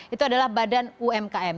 itu adalah badan umkm